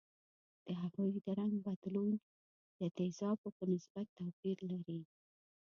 د هغوي د رنګ بدلون د تیزابو په نسبت توپیر لري.